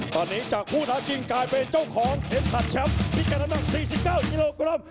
ตอนนี้จากผู้ท้าชิงกลายเป็นเจ้าของเข็มขัดแชมป์พิการน้ำหนัก๔๙กิโลกรัม